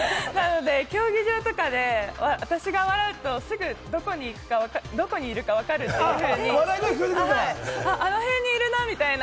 競技場とかで私が笑うと、すぐどこにいるか分かるというふうに、あの辺にいるなみたいな。